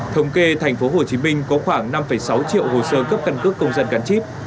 thống kê tp hcm có khoảng năm sáu triệu hồ sơ cấp căn cước công dân gắn chip